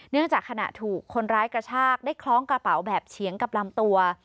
จากขณะถูกคนร้ายกระชากได้คล้องกระเป๋าแบบเฉียงกับลำตัว